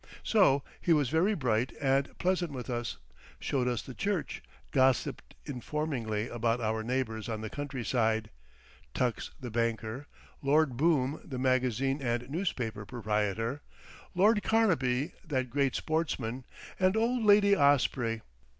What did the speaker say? So he was very bright and pleasant with us, showed us the church, gossiped informingly about our neighbours on the countryside—Tux, the banker; Lord Boom, the magazine and newspaper proprietor; Lord Carnaby, that great sportsman, and old Lady Osprey.